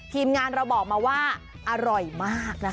ทีมงานเราบอกมาว่าอร่อยมากนะคะ